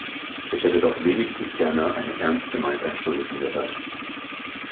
Ich hätte doch wenigstens gerne eine ernst gemeinte Entschuldigung gehört.